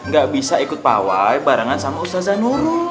gak bisa ikut pawai barengan sama ustaz zanurul